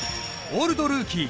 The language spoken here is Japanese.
「オールドルーキー」